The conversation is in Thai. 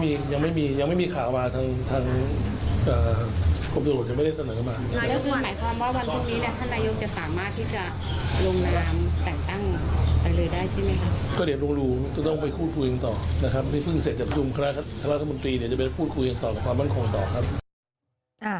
ไม่น่านนะครับยังไม่มีข่าวมาทางครบสารก็ไม่ได้สนับมา